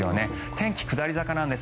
天気下り坂です。